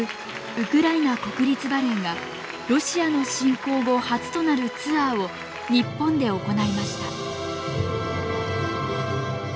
ウクライナ国立バレエがロシアの侵攻後初となるツアーを日本で行いました。